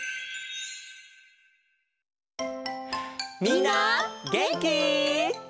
みんなげんき？